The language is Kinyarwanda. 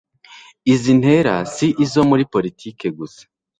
izi ntera si izo muri politiki gusa